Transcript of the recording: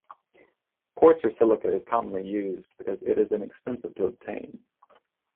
Quartz or silica is commonly used because it is inexpensive to obtain.